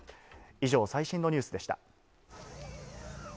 以上、最新のニュースでした。